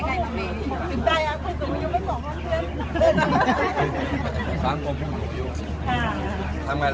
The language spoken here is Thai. คนเงินไปแรงงานอย่างเงียบ